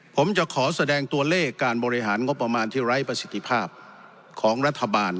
ผมจะขอแสดงตัวเลขการบริหารงบประมาณที่ไร้ประสิทธิภาพของรัฐบาล